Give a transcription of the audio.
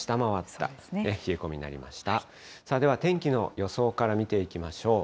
さあでは、天気の予想から見ていきましょう。